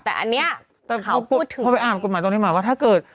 แต่อันนี้แต่เขาพูดถึงเขาไปอ่านกฎหมายตรงนี้หมายว่าถ้าเกิด